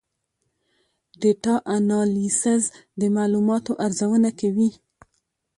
ډیټا انالیسز د معلوماتو ارزونه کوي.